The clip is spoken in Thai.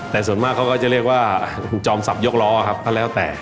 แต่ส่วนมากเขาก็จะเรียกว่าจอมสับยกล้อครับก็แล้วแต่